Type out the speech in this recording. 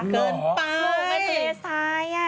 ปลูกในทะเลซ่าย